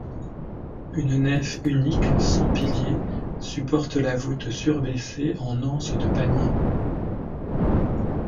Une nef unique, sans piliers, supporte la voûte surbaissée en anse de panier.